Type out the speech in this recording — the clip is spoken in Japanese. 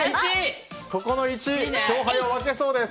ここの１が勝敗を分けそうです。